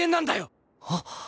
はっ！